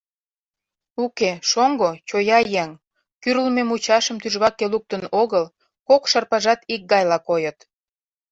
Уке, шоҥго — чоя еҥ, кӱрлмӧ мучашым тӱжваке луктын огыл, кок шырпыжат икгайла койыт.